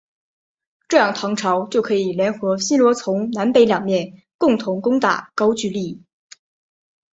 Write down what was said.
这样唐朝就可以联合新罗从南北两面共同攻打高句丽。